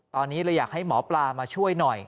ตอนนี้เลยอยากให้หมอปลามาช่วยหน่อย